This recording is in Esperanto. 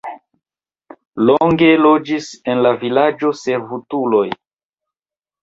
Longe loĝis en la vilaĝo servutuloj.